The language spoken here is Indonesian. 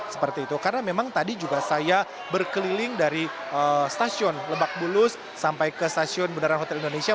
seperti itu karena memang tadi juga saya berkeliling dari stasiun lebak bulus sampai ke stasiun bundaran hotel indonesia